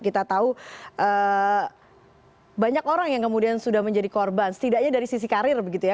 kita tahu banyak orang yang kemudian sudah menjadi korban setidaknya dari sisi karir begitu ya